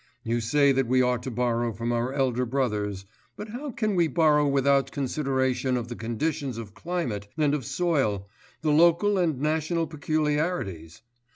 You say that we ought to borrow from our elder brothers: but how can we borrow without consideration of the conditions of climate and of soil, the local and national peculiarities?